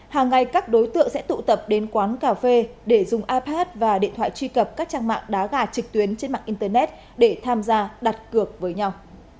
hàng ngày các đối tượng sẽ tụ tập đến quán cà phê để dùng ipad và điện thoại truy cập các trang mạng đá gà trực tuyến trên mạng internet để tham gia đặt cược với nhau